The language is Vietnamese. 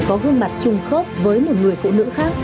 có gương mặt chung khớp với một người phụ nữ khác